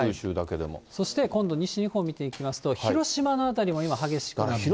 そして、今度、西日本見ていきますと、広島の辺りも今、激しく雨が降っています。